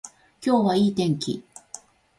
今日はいい天気